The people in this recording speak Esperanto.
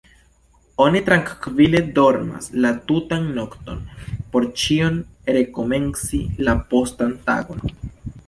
Oni trankvile dormas la tutan nokton, por ĉion rekomenci la postan tagon.